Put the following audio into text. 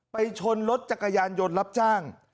ไปชนรถจักรยานยดรับจ้าง